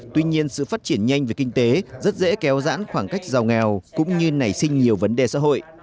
tuy nhiên sự phát triển nhanh về kinh tế rất dễ kéo dãn khoảng cách giàu nghèo cũng như nảy sinh nhiều vấn đề xã hội